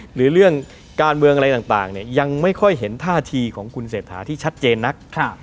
หรือเรื่องการเมืองอะไรต่างยังไม่ค่อยเห็นท่าทีของคุณเศรษฐาที่ชัดเจนนัก